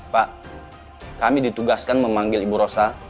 pak kami ditugaskan memanggil ibu rosa